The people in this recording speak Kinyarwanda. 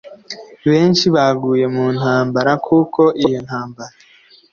benshi baguye mu ntambara kuko iyo ntambara